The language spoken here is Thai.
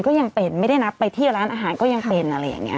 ก็ยังเป็นไม่ได้นับไปเที่ยวร้านอาหารก็ยังเป็นอะไรอย่างนี้